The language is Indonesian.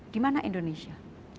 di mana indonesia